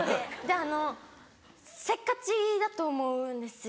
あのせっかちだと思うんですよ